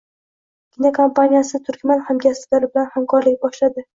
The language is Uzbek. Kinokompaniyasi turkman hamkasblari bilan hamkorlik boshladi